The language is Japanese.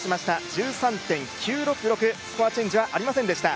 １３．９６６、スコアチェンジはありませんでした。